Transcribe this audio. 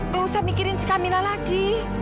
gak usah mikirin si kamila lagi